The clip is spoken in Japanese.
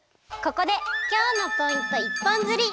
ここで今日のポイント一本釣り！